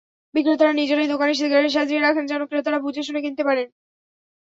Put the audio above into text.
বিক্রেতারা নিজেরাই দোকানে সিগারেট সাজিয়ে রাখেন, যেন ক্রেতারা বুঝে-শুনে কিনতে পারেন।